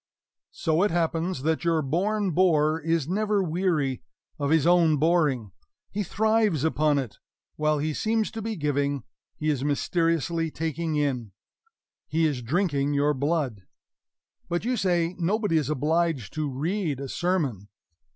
So it happens that your born bore is never weary of his own boring; he thrives upon it; while he seems to be giving, he is mysteriously taking in he is drinking your blood. But you say nobody is obliged to read a sermon.